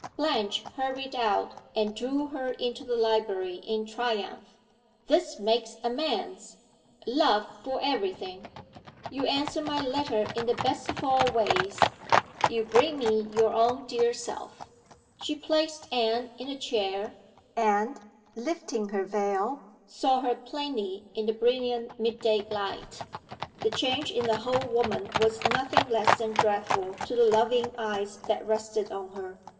Blanche hurried out, and drew her into the library in triumph. "This makes amends, love for every thing! You answer my letter in the best of all ways you bring me your own dear self." She placed Anne in a chair, and, lifting her veil, saw her plainly in the brilliant mid day light. The change in the whole woman was nothing less than dreadful to the loving eyes that rested on her.